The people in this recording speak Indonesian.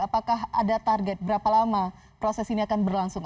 apakah ada target berapa lama proses ini akan berlangsung